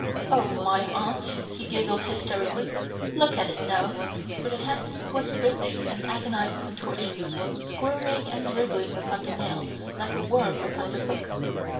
"Oh, my aunt," he giggled hysterically, "look at it now," for the hand was writhing in agonized contortions, squirming and wriggling upon the nail like a worm upon the hook.